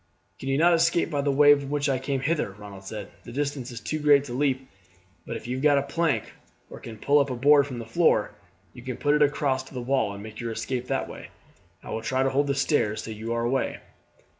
"Can you not escape by the way by which I came hither?" Ronald said. "The distance is too great to leap; but if you have got a plank, or can pull up a board from the floor, you could put it across to the wall and make your escape that way. I will try to hold the stairs till you are away."